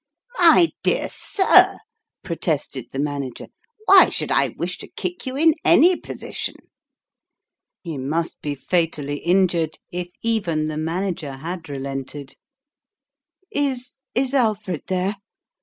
My dear sir !" protested the Manager, " why should I wish to kick you in any posi tion ?" He must be fatally injured, if even the Manager had relented !" Is is Alfred there